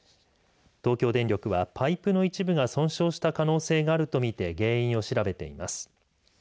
東京電力は、パイプの一部が損傷した可能性があるとみて原因を調べています。